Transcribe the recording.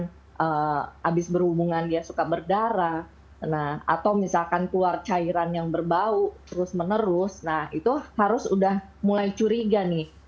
kemudian abis berhubungan dia suka berdarah atau misalkan keluar cairan yang berbau terus menerus nah itu harus udah mulai curiga nih